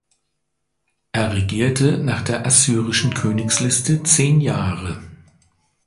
Er regierte nach der assyrischen Königsliste zehn Jahre.